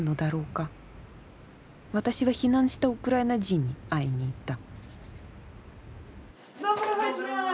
私は避難したウクライナ人に会いに行った。